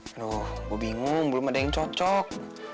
aduh gue bingung belum ada yang cocok